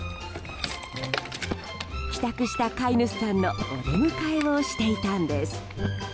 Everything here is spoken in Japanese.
帰宅した飼い主さんのお出迎えをしていたんです。